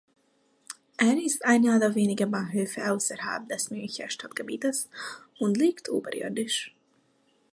Er ist einer der wenigen Bahnhöfe außerhalb des Münchner Stadtgebietes und liegt oberirdisch.